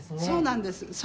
そうなんです。